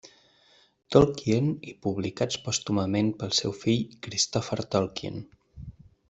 Tolkien i publicats pòstumament pel seu fill Christopher Tolkien.